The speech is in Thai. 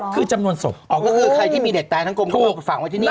คือจำนวนศพอ๋อก็คือใครที่มีเด็กตายทั้งกลมถูกฝังไว้ที่นี่